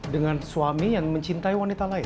dengan suami yang mencintai wanita lain